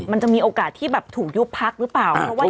มันจะมีโอกาสที่แบบถูกยุบภักดิ์หรือเปล่าเพราะว่า